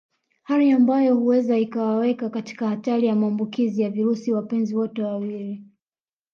Hali ambayo huenda ikawaweka katika hatari ya maambukizi ya virusi wapenzi wote wawili